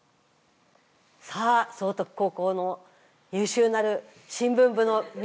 さあ崇徳高校の優秀なる新聞部の皆さん。